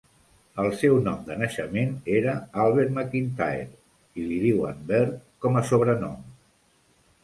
El seu nom de naixement era Albert McIntyre i li diuen "Bird" com a sobrenom.